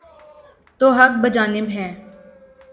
تو حق بجانب ہیں۔